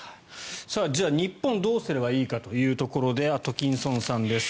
じゃあ日本どうすればいいかというところでアトキンソンさんです。